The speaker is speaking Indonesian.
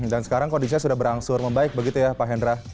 dan sekarang kondisinya sudah berangsur membaik begitu ya pak hendra